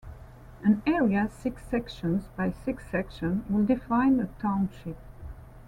An area six sections by six sections would define a township.